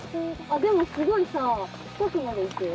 でもすごい。